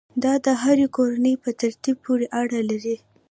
دا د هرې کورنۍ په تربیې پورې اړه لري.